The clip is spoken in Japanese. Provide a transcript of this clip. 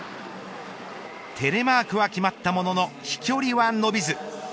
テレマークは決まったものの飛距離は伸びず。